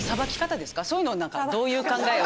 そういうのをどういう考えを。